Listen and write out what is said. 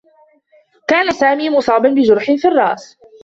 كان سامي مصابا بجرح في الرّأس.